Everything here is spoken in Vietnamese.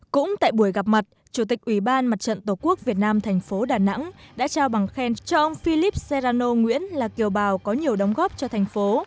cũng tại buổi gặp mặt chủ tịch ủy ban mặt trận tổ quốc việt nam thành phố đà nẵng đã trao bằng khen cho ông philip seano nguyễn là kiều bào có nhiều đóng góp cho thành phố